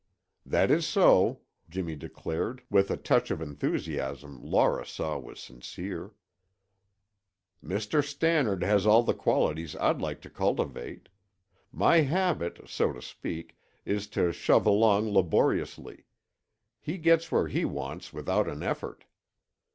"That is so," Jimmy declared with a touch of enthusiasm Laura saw was sincere. "Mr. Stannard has all the qualities I'd like to cultivate. My habit, so to speak, is to shove along laboriously; he gets where he wants without an effort.